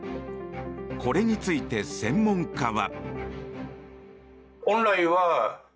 これについて、専門家は。